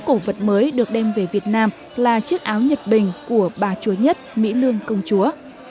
cổ vật mới được đem về việt nam là chiếc áo nhật bình của bà chúa nhất mỹ lương công chúa